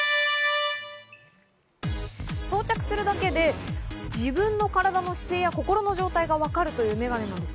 装着するだけで自分の体の姿勢や心の状態がわかるというメガネなんです。